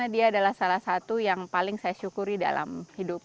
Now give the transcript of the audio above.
dia adalah salah satu yang paling saya syukuri dalam hidup